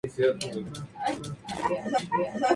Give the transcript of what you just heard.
La conquista española redujo notablemente la población nativa.